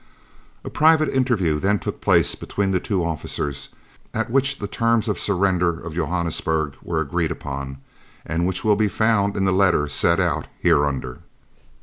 A private interview then took place between the two officers, at which the terms of surrender of Johannesburg were agreed upon, and which will be found in the letter set out hereunder.